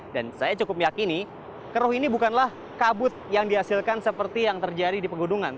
dan saya cukup yakin keruh ini bukanlah kabut yang dihasilkan seperti yang terjadi di pegunungan